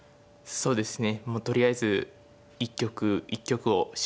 そうですね。